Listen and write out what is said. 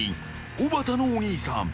おばたのお兄さん。